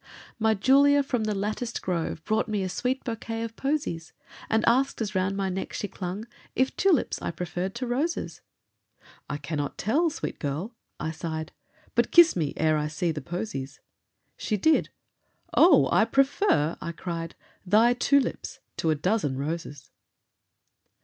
My Julia from the latticed grove Brought me a sweet bouquet of posies, And asked, as round my neck she clung, If tulips I preferred to roses? "I cannot tell, sweet girl," I sighed, "But kiss me, ere I see the posies." She did. "Oh! I prefer," I cried, "Thy two lips to a dozen roses."